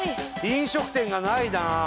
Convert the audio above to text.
飲食店がないなあ。